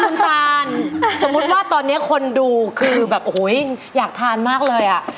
คุณตานสมมุติว่าตอนนี้คนดูคือแบบโอ้โหอยากทานมากเลยอ่ะ